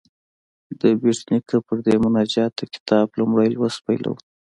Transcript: د بېټ نیکه پر دې مناجات د کتاب لومړی لوست پیلوو.